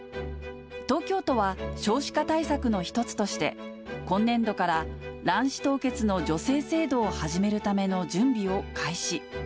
東京都は少子化対策の一つとして、今年度から卵子凍結の助成制度を始めるための準備を開始。